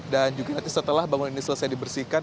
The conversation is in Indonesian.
dan juga nanti setelah bangunan ini selesai dibersihkan